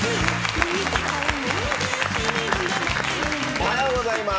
おはようございます。